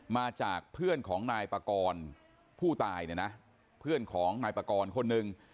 มาจากเพื่อนของนายปากรผู้ตายเนี่ยนะเพื่อนของนายปากรคนหนึ่ง